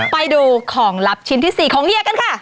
ไปดูของลับชิ้นที่๔ของเฮียกันค่ะ